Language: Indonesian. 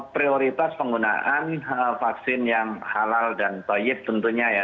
prioritas penggunaan vaksin yang halal dan toyib tentunya ya